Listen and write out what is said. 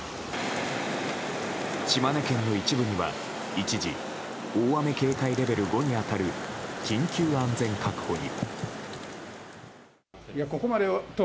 島根県の一部には、一時大雨警戒レベル５に当たる緊急安全確保に。